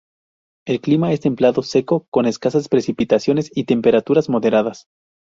El clima es templado seco, con escasas precipitaciones y temperaturas moderadas.